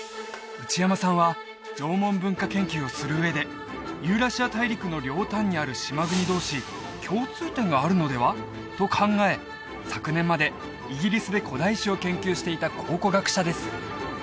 内山さんは縄文文化研究をする上でユーラシア大陸の両端にある島国同士共通点があるのでは？と考え昨年までイギリスで古代史を研究していた考古学者です